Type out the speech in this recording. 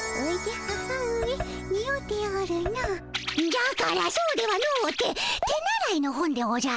じゃからそうではのうて手習いの本でおじゃる。